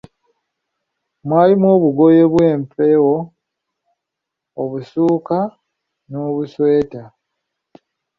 Mwalimu obugoye bw'empewo, obusuuka n'obusweta.